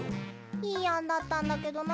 いいあんだったんだけどな。